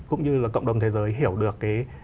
cũng như là cộng đồng thế giới hiểu được